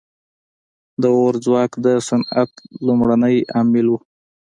• د اور ځواک د صنعت لومړنی عامل و.